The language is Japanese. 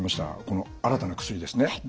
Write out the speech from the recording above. この新たな薬ですね